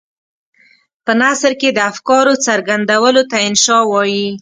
په نثر کې د افکارو څرګندولو ته انشأ وايي.